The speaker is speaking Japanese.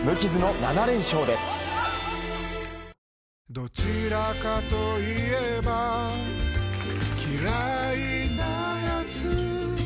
どちらかと言えば嫌いなやつ